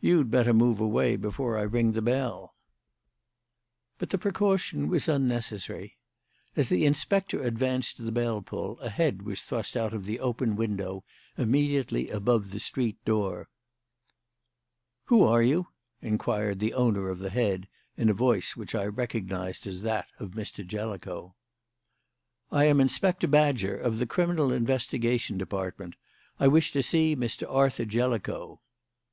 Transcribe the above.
"You'd better move away before I ring the bell." But the precaution was unnecessary. As the inspector advanced to the bell pull a head was thrust out of the open window immediately above the street door. "Who are you?" inquired the owner of the head in a voice which I recognised as that of Mr. Jellicoe. "I am Inspector Badger, of the Criminal Investigation Department. I wish to see Mr. Arthur Jellicoe."